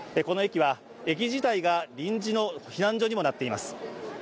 この駅は駅自体が臨時の避難所にもなっています。